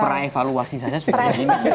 peraevaluasi saja seperti ini